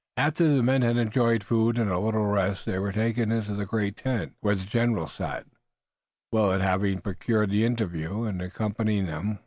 After the men had enjoyed food and a little rest, they were taken into the great tent, where the general sat, Willet having procured the interview, and accompanying them.